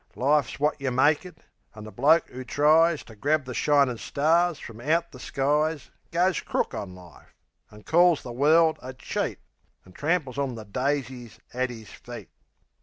Life's wot yeh make it; an' the bloke 'oo tries To grab the shinin' stars frum out the skies Goes crook on life, an' calls the world a cheat, An' tramples on the daisies at 'is feet.